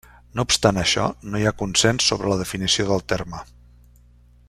No obstant això, no hi ha consens sobre la definició del terme.